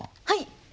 はい。